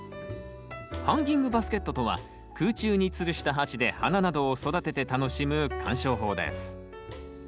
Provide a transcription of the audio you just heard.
ハンギングバスケットとは空中につるした鉢で花などを育てて楽しむ鑑賞法です。